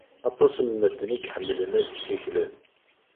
Aṭas n medden i iḥemmlen ad ssiklen.